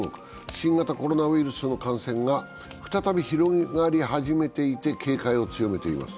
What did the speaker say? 新型コロナウイルスの感染が再び広がり始めていて警戒を強めています。